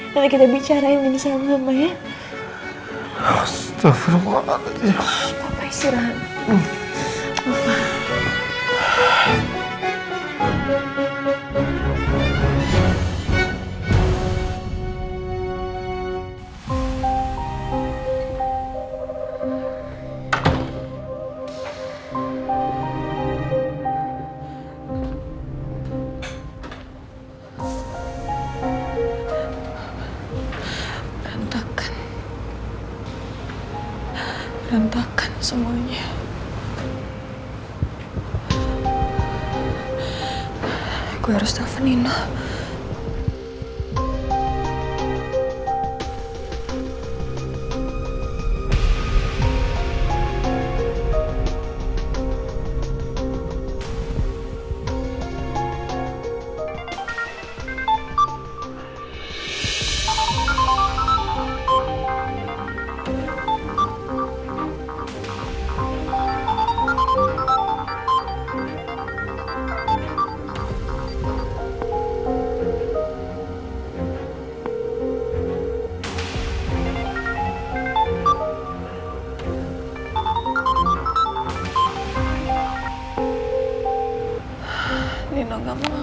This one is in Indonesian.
nanti kita bicarain sama sama ya